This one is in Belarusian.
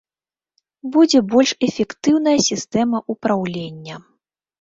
Будзе больш эфектыўная сістэма ўпраўлення.